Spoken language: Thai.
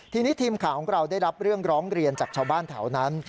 ทีนี้ทีมข่าวของเราได้รับเรื่องร้องเรียนจากชาวบ้านแถวนั้น